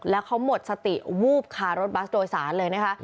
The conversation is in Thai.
แล้วเขาหมดสติวูบคารถบัสโดยสารเลยนะคะ